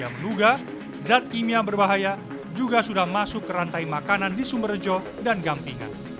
yang menduga zat kimia berbahaya juga sudah masuk ke rantai makanan di sumber rejo dan gampingan